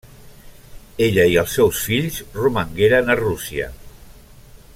Ella i els seus fills romangueren a Rússia.